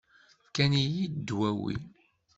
Fkan-iyi-d ddwawi.